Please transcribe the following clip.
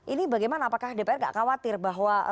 ini bagaimana apakah dpr tidak khawatir bahwa